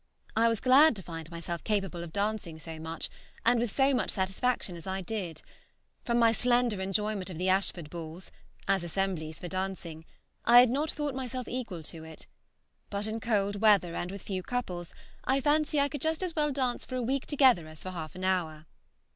I was glad to find myself capable of dancing so much, and with so much satisfaction as I did; from my slender enjoyment of the Ashford balls (as assemblies for dancing) I had not thought myself equal to it, but in cold weather and with few couples I fancy I could just as well dance for a week together as for half an hour.